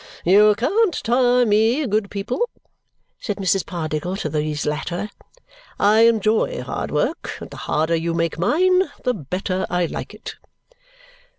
"You can't tire me, good people," said Mrs. Pardiggle to these latter. "I enjoy hard work, and the harder you make mine, the better I like it."